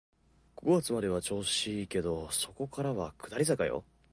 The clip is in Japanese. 五月までは調子いいけど、そこからは下り坂よ